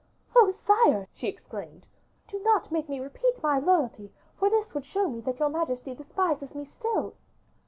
"Oh! sire," she exclaimed, "do not make me repeat my loyalty, for this would show me that your majesty despises me still."